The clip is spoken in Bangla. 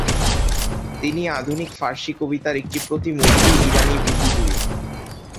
তিনি আধুনিক ফার্সি কবিতার একটি প্রতিমূর্তি, ইরানী বুদ্ধিজীবী।